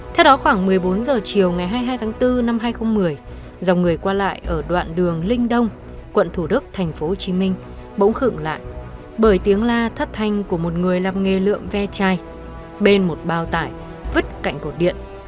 theo đó khoảng một mươi bốn h chiều ngày hai mươi hai tháng bốn năm hai nghìn một mươi dòng người qua lại ở đoạn đường linh đông quận thủ đức thành phố hồ chí minh bỗng khựng lại bởi tiếng la thất thanh của một người làm nghề lượm ve chai bên một bao tải vứt cạnh cổ điện